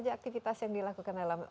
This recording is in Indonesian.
ekspedisi indonesia prima